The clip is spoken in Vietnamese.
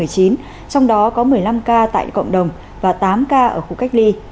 trong đó có một mươi năm ca tại cộng đồng và tám ca ở khu cách ly